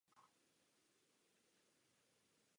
Veškeré práce trvaly přibližně pět let.